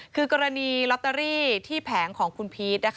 คือกรณีลอตเตอรี่ที่แผงของคุณพีช